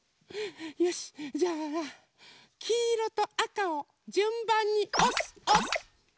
よしじゃあきいろとあかをじゅんばんにおすおす。